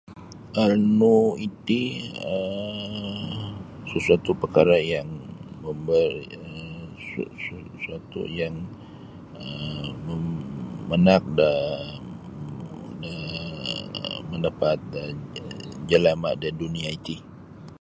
um nu iti um sesuatu perkara' yang memberi um se su suatu yang um manaak da daa pandapat jalama' da dunia' iti.